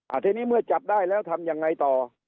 ทีนี้เมื่อจับได้แล้วทำยังไงต่อ